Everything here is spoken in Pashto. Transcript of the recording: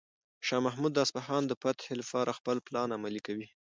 شاه محمود د اصفهان د فتح لپاره خپل پلان عملي کوي.